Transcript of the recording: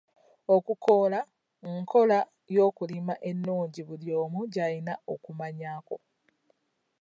Okukoola nkola y'okulima ennnungi buli omu gy'alina okumanyaako.